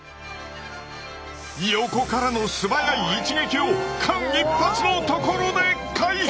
横からのすばやい一撃を間一髪のところで回避！